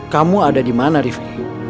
kamu ada dimana rifqi